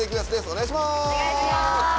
お願いします！